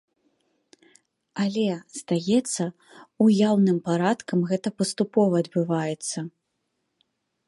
Але, здаецца, уяўным парадкам гэта паступова адбываецца.